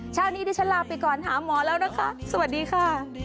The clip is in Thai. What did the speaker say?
เช้านี้ดิฉันลาไปก่อนหาหมอแล้วนะคะสวัสดีค่ะ